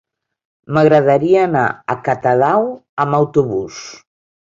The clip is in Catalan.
M'agradaria anar a Catadau amb autobús.